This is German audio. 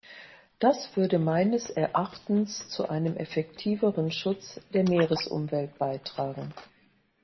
Das würde meines Erachtens zu einem effektiveren Schutz der Meeresumwelt beitragen.